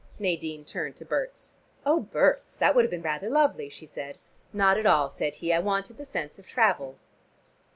Nadine turned to Berts. "Oh, Berts, that would have been rather lovely," she said. "Not at all," said he. "I wanted the sense of travel."